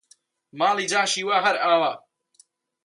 ماڵی جاشی وا هەر ئاوا!